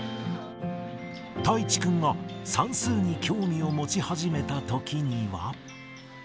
泰地くんが算数に興味を持ち始めたときには。